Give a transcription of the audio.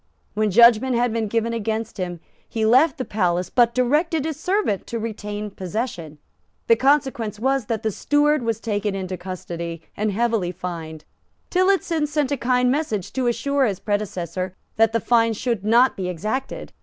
When judgment had been given against him, he left the palace, but directed his steward to retain possession. The consequence was that the steward was taken into custody and heavily fined. Tillotson sent a kind message to assure his predecessor that the fine should not be exacted.